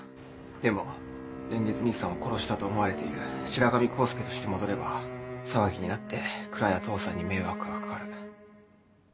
でも蓮月兄さんを殺したと思われている白神黄介として戻れば騒ぎになって蔵や父さんに迷惑が掛かる。